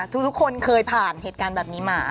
ทุกคนเคยผ่านเหตุการณ์แบบนี้มา